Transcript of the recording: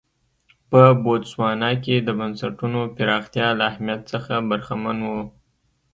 په بوتسوانا کې د بنسټونو پراختیا له اهمیت څخه برخمن و.